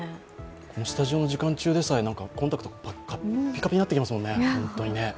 スタジオの時間でさえコンタクトがカピカピになってきますね。